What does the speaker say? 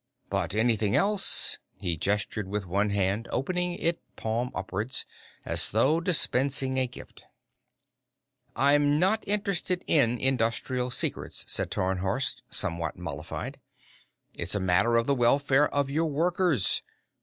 But anything else " He gestured with one hand, opening it palm upwards, as though dispensing a gift. "I'm not interested in industrial secrets," said Tarnhorst, somewhat mollified. "It's a matter of the welfare of your workers.